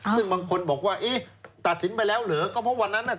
ซึ่งบางคนบอกว่าเอ๊ะตัดสินไปแล้วเหรอก็เพราะวันนั้นน่ะ